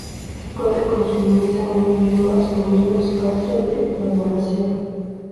Puede consumirse a un nivel más o menos alto de maduración.